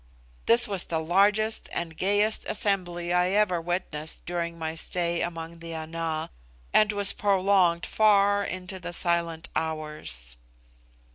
This was the largest and gayest assembly I ever witnessed during my stay among the Ana, and was prolonged far into the Silent Hours.